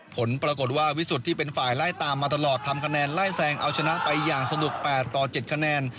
ผลปรากฏว่าวิสุทธิ์ที่เป็นฝ่ายไล่ตามมาตลอดทำคะแนนไล่แซงเอาชนะไปอย่างสนุก๘ต่อ๗คะแนน